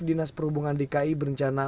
dinas perhubungan dki berencana